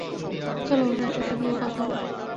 চলো, উনার সাথে গিয়ে কথা বলি।